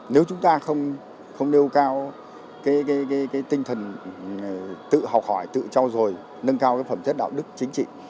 nếu chúng ta không nêu cao tinh thần tự học hỏi tự trao dồi nâng cao phẩm chất đạo đức chính trị